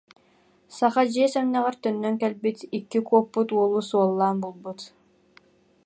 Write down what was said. » Саха дьиэ сэмнэҕэр төннөн кэлбит, икки куоппут уолу суоллаан булбут